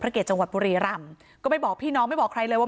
เกตจังหวัดบุรีรำก็ไปบอกพี่น้องไม่บอกใครเลยว่า